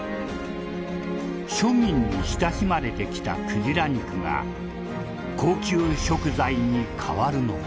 庶民に親しまれてきたクジラ肉が高級食材に変わるのか？